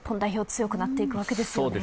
強くなっていくわけですよね。